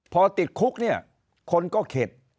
พอติดคุกเนี่ยคนก็เข็ด